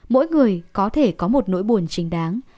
mỗi người có thể có một nỗi buồn trình đáng